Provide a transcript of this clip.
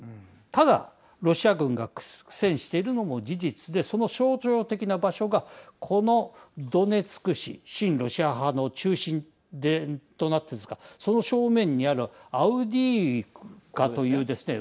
ただ、ロシア軍が苦戦しているのも事実でその象徴的な場所がこのドネツク市、親ロシア派の中心となっているんですがその正面にあるアウディーイウカというですね